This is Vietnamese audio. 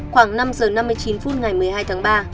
khoảng năm giờ năm mươi chín phút ngày một mươi hai tháng ba